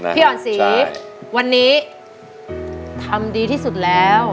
พี่อ่อนศรีวันนี้ทำดีที่สุดแล้ว